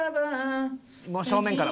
もう正面から。